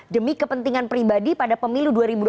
demi kepentingan pribadi pada pemilu